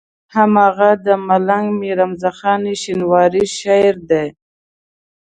هماغه د ملنګ مير حمزه خان شينواري شعر دی.